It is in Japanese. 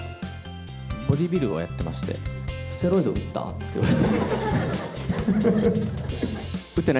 ボディービルをやってまして、ステロイド打った？って言われて。